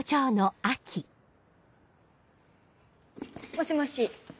もしもし。